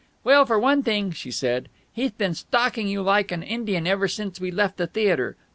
"Well, for one thing," she said, "he'th been stalking you like an Indian ever since we left the theatre!